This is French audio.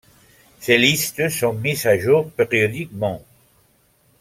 Ces listes sont mises à jour périodiquement.